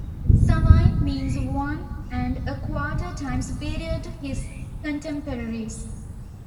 "Sawai" means one and a quarter times superior to his contemporaries.